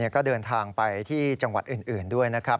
ก็เดินทางไปที่จังหวัดอื่นด้วยนะครับ